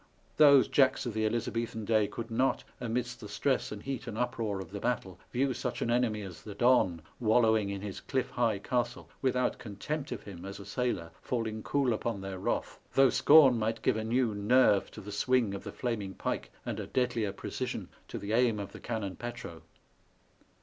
those Jacks of the Elizabethan day could not, amidst the stress and heat and uproar of the battle, view such an enemy as the Don, wallowing in his cliff high castle, without contempt of him as a sailor faUing cool upon their wrath, though scorn might give a new nerve to the swing of the flaming pike, and a deadlier pre cision to the aim of the cannon petro.